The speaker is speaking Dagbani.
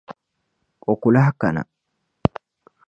O ku lahi kana!